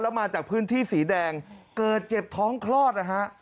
มาจากพื้นที่สีแดงเกิดเจ็บท้องคลอดนะฮะ